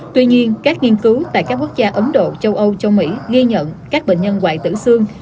tuy nhiên các nghiên cứu tại các quốc gia ấn độ châu âu châu mỹ ghi nhận các bệnh nhân ngoại tử xương